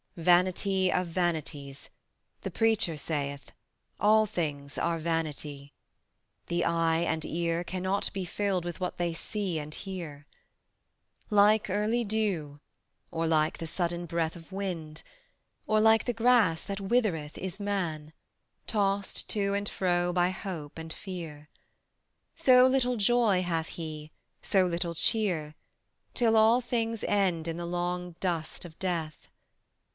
Vanity of vanities, the Preacher saith, All things are vanity. The eye and ear Cannot be filled with what they see and hear. Like early dew, or like the sudden breath Of wind, or like the grass that withereth, Is man, tossed to and fro by hope and fear: So little joy hath he, so little cheer, Till all things end in the long dust of death.